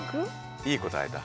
いい答えだ。